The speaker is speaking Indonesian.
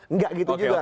enggak gitu juga